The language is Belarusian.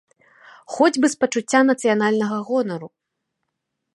Хоць бы з пачуцця нацыянальнага гонару.